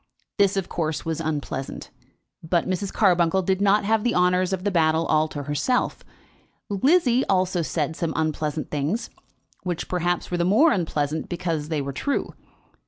This, of course, was unpleasant; but Mrs. Carbuncle did not have the honours of the battle all to herself. Lizzie also said some unpleasant things, which, perhaps, were the more unpleasant because they were true. Mrs.